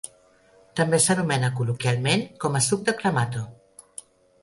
També s'anomena col·loquialment com a "suc de clamato".